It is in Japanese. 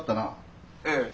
ええ。